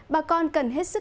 bà con cần hết sức